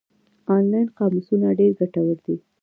آنلاین قاموسونه ډېر ګټور دي.